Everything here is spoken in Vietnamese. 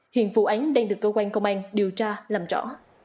hiện vụ án đang được cơ quan công an điều tra làm rõ